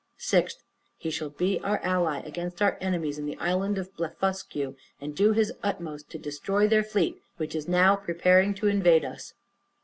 6th. He shall be our ally against our enemies in the Island of Blefuscu, and do his utmost to destroy their fleet, which is now preparing to invade us.